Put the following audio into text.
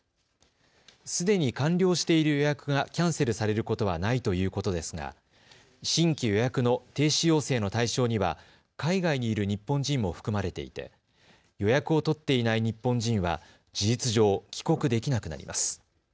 すでに完了している予約がキャンセルされることはないということですが新規予約の停止要請の対象には海外にいる日本人も含まれていて予約を取っていない日本人は事実上、帰国できなくなります。